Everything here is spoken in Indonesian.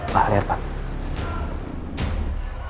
pak lihat pak